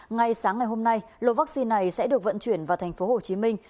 ngay sáng ngày hôm nay lô vaccine này sẽ được vận chuyển vào thành phố hồ chí minh